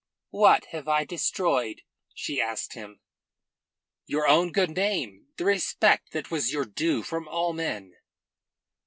"What have I destroyed?" she asked him. "Your own good name; the respect that was your due from all men."